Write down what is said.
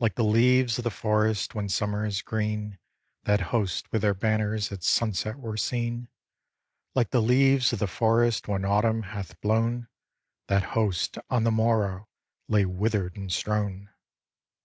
Like the leaves of the forest when summer is green. That host with their banners at sunset were seen: Like the leaves of the forest when Autumn hath blown That host on the morrow lay wither'd and strown.